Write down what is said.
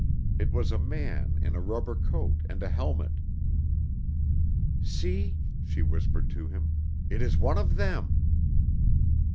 It was a man in a rubber coat and a helmet. "See," she whispered to him, "it is one of them!"